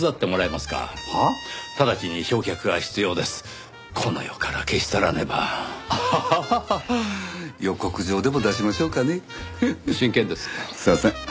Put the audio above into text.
すいません。